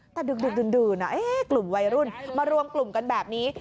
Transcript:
แต่ดึกดื่นกลุ่มวัยรุ่นมารวมกลุ่มกันแบบนี้